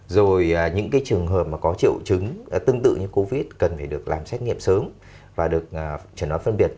rồi những cái trường hợp mà có triệu chứng tương tự như covid cần phải được làm xét nghiệm sớm và được chẩn đoán phân biệt